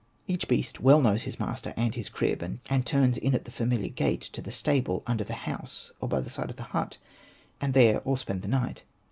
Each beast well knows his master and his crib, and turns in at the familiar gate to the stable under the house, or by the side of the hut ; and there all spend the night.